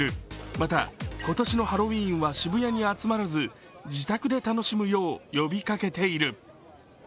また今年のハロウィーンは渋谷に集まらず自宅で楽しむよう呼びかけている。